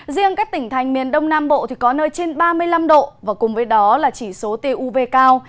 riêng các tỉnh thành miền đông nam bộ có nơi trên ba mươi năm độ và cùng với đó là chỉ số tuv cao